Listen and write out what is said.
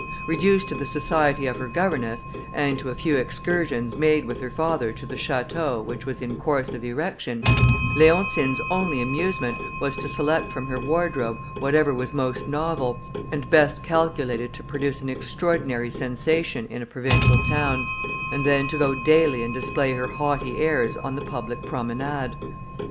Reduced to the society of her governess, and to a few excursions made with her father to the château which was in course of erection, Leontine's only amusement was to select from her wardrobe whatever was most novel, and best calculated to produce an extraordinary sensation in a provincial town, and then to go daily and display her haughty airs on the public promenade.